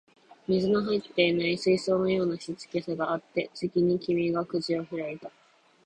水の入っていない水槽のような静けさがあって、次に君が口を開いた